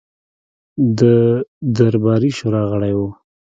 د درباري شورا غړی وو.